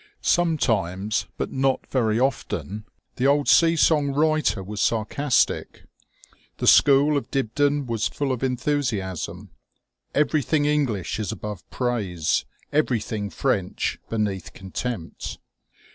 Sometimes, but not very often, the old sea song writer was sarcastic. The school of Dibdin was full of enthusiasm. Everything English is above praise, everything French beneath contempt.